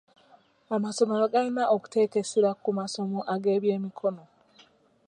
Amasomero galina okuteeka essira ku masomo ag'ebyemikono.